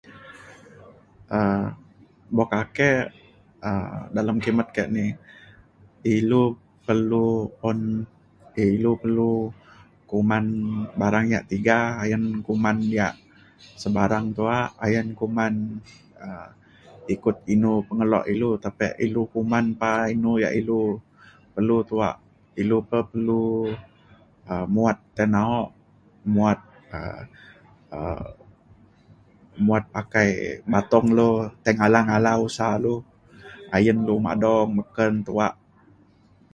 um buk ake um dalem kimet ke ni ilu perlu un ilu perlu kuman barang yak tiga ayen kuman yak sebarang tuak ayen kuman um ikut inu pengelo ilu. tapek ilu kuman pa inu yak ilu perlu tuak ilu pe perlu um muat tai na’o muat um muat pakai matung lu tai ngalang ngalang usa lu ayen lu madung meken tuak